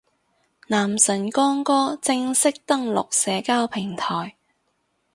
男神光哥正式登陸社交平台